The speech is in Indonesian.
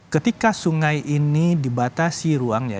ketika sungai ini dibatasi ruangnya